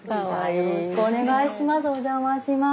よろしくお願いします